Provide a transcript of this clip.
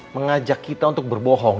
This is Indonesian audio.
mengajak kita untuk berbohong